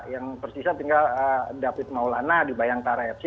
yang tersisa tinggal david maulana di bayangkara fc